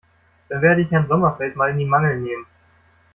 Dann werde ich Herrn Sommerfeld mal in die Mangel nehmen.